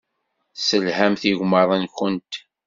Tesselhamt igmaḍ-nwent.